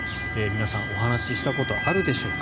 皆さんお話したことあるでしょうか。